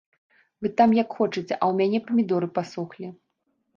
Вы там як хочаце, а ў мяне памідоры пасохлі.